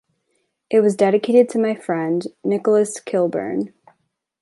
It was dedicated to "my friend Nicholas Kilburn".